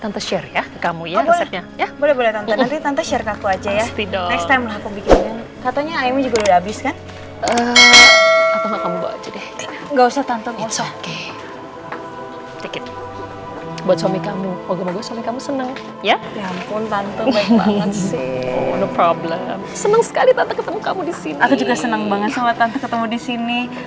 aku juga seneng banget sama tante ketemu disini